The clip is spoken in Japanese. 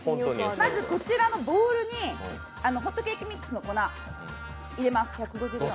まずこちらのボウルにホットケーキミックスの粉を入れます。